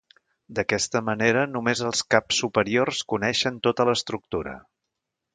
D'aquesta manera només els caps superiors coneixen tota l'estructura.